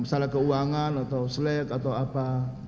masalah keuangan atau slack atau apa